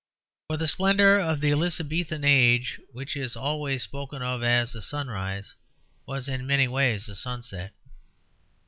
For the splendour of the Elizabethan age, which is always spoken of as a sunrise, was in many ways a sunset.